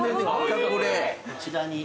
こちらに。